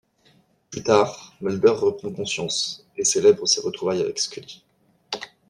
Plus tard, Mulder reprend conscience et célèbre ses retrouvailles avec Scully.